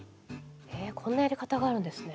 へえこんなやり方があるんですね。